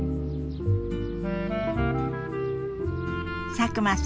佐久間さん